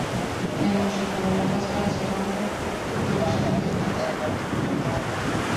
De noche, cuando la cáscara se rompe, se producen efectos espectaculares.